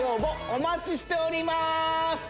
お待ちしております